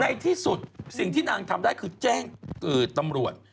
ในที่สุดที่ที่นางได้ก็แจ้งตำรวจ